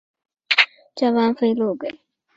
加班费漏给